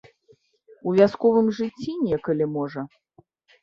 У вясковым жыцці некалі, можа?